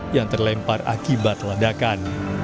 yang terlempar akibat ledakan